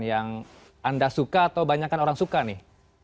yang anda suka atau banyakan orang suka nih